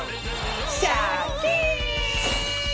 シャキーン！